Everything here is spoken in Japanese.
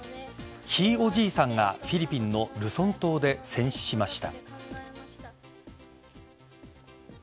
ひいおじいさんがフィリピンのルソン島で戦死しました。